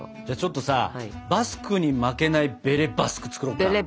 じゃあちょっとさバスクに負けないベレ・バスク作ろうか。